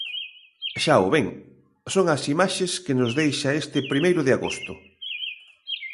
Xa o ven, son as imaxes que nos deixa este primeiro de agosto.